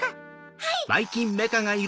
はい！